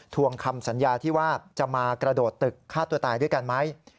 วงคำสัญญาที่ว่าจะมากระโดดตึกฆ่าตัวตายด้วยกันไหม